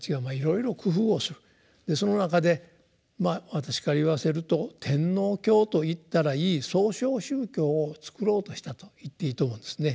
その中で私から言わせると「天皇教」と言ったらいい「創唱宗教」をつくろうとしたと言っていいと思うんですね。